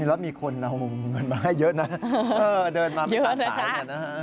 แล้วมีคนเอาเงินมาให้เยอะนะเดินมาเป็นต่างอย่างนั้น